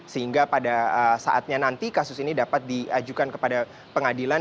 sehingga pada saatnya nanti kasus ini dapat diajukan kepada pengadilan